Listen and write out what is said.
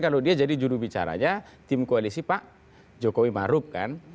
kalau dia jadi juru bicaranya tim koalisi pak jokowi marub kan